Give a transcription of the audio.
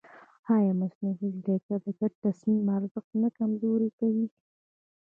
ایا مصنوعي ځیرکتیا د ګډ تصمیم ارزښت نه کمزوری کوي؟